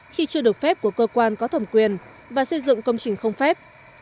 khi chưa được phép của cơ quan có thẩm quyền và xây dựng công trình không phép